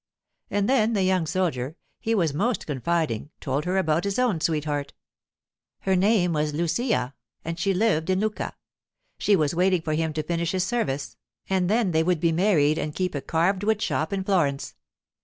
And then the young soldier—he was most confiding—told her about his own sweetheart. Her name was Lucia and she lived in Lucca. She was waiting for him to finish his service, and then they would be married and keep a carved wood shop in Florence.